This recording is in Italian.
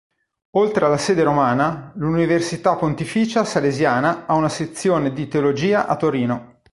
Oltre alla sede romana, l'università pontificia salesiana ha una sezione di Teologia a Torino.